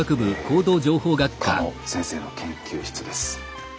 狩野先生の研究室です。